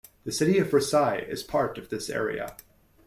The city of Versailles is part of this area.